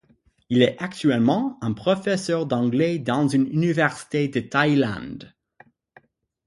Il est actuellement un professeur d'anglais dans une université de Thaïlande.